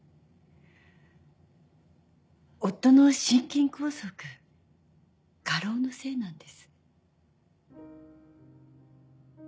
夫の心筋梗塞過労のせいなんです。